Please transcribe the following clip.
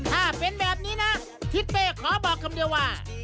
ถ้าเป็นแบบนี้นะทิศเป้ขอบอกคำเดียวว่า